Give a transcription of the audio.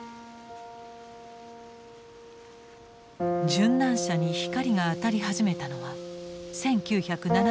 殉難者に光が当たり始めたのは１９７０年代。